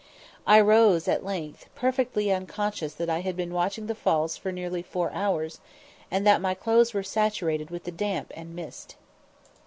I rose at length, perfectly unconscious that I had been watching the Falls for nearly four hours, and that my clothes were saturated with the damp and mist.